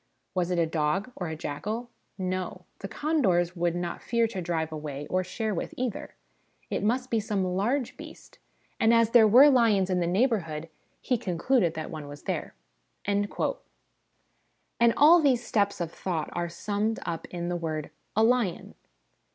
Was it a dog, or a jackal ? No ; the condors would not fear to drive away, or share with, either : it must be some large beast, and as there were lions in the neighbourhood, he concluded that one was here." And all these steps of thought are summed up in the words ' A lion.'